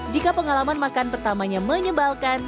jika pengalaman makan pertamanya menyebalkan